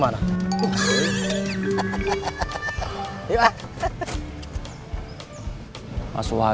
iya kalau dikawinin kalau digibukin sama mas sungha gimana